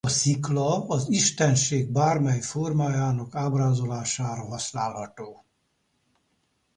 A szikla az istenség bármely formájának ábrázolására használható.